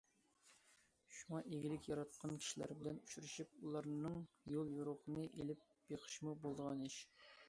شۇڭا ئىگىلىك ياراتقان كىشىلەر بىلەن ئۇچرىشىپ، ئۇلارنىڭ يول يورۇقىنى ئېلىپ بېقىشمۇ بولىدىغان ئىش.